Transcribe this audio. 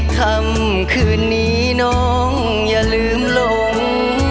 คำคืนนี้น้องอย่าลืมหลง